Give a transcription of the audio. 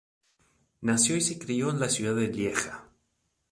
Nació y se crio en la ciudad de Lieja.